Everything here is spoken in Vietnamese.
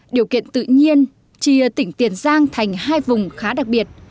điều kiện tự nhiên chia tỉnh tiền giang thành hai vùng khá đặc biệt